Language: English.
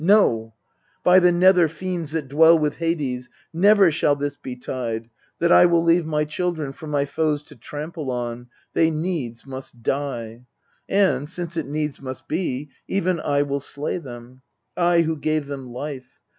No ! by the nether fiends that dwell with Hades, Never shall this betide, that I will leave My children for my foes to trample on. They needs must die. And, since it needs must be, Even I will slay them I, who gave them life.